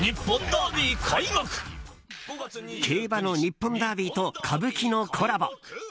競馬の日本ダービーと歌舞伎のコラボ。